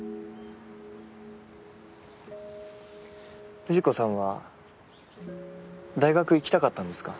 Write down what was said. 藤子さんは大学行きたかったんですか？